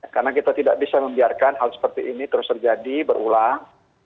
karena kita tidak bisa membiarkan hal seperti ini terus terjadi berulang